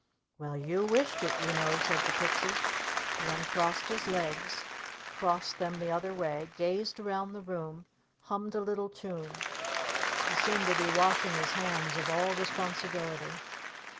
"Well, you wished it, you know," said the Pixie. He uncrossed his legs, crossed them the other way, gazed around the room, hummed a little tune. He seemed to be washing his hands of all responsibility.